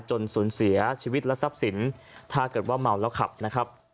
สูญเสียชีวิตและทรัพย์สินถ้าเกิดว่าเมาแล้วขับนะครับ